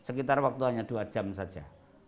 sekitar waktu hanya dua jam saja